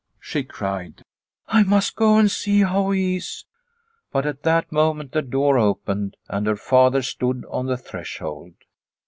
she cried, "I mutt go and see how he is." But at that moment the door opened and her father stood on the threshold.